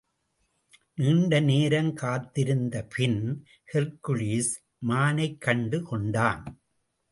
நீண்ட நேரம் காத்திருந்த பின் ஹெர்க்குலிஸ் மானைக் கண்டு கொண்டான்.